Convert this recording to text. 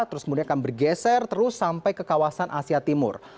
terus kemudian akan bergeser terus sampai ke kawasan asia timur